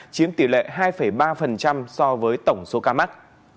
chiếm tỷ lệ hai ba so với tổng số ca mắc